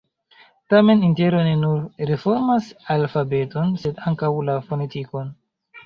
Tamen Intero ne nur reformas alfabeton, sed ankaŭ la fonetikon.